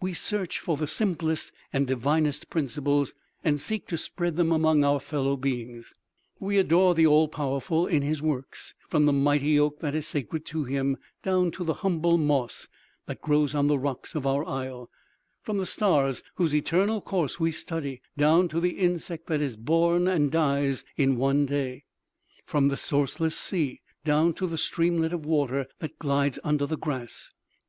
We search for the simplest and divinest principles, and seek to spread them among our fellow beings. We adore the All Powerful in His works, from the mighty oak that is sacred to Him, down to the humble moss that grows on the rocks of our isle; from the stars, whose eternal course we study, down to the insect that is born and dies in one day; from the sourceless sea, down to the streamlet of water that glides under the grass.